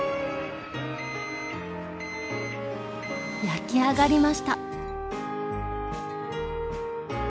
焼き上がりました。